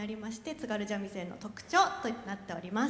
津軽三味線の特徴となっております。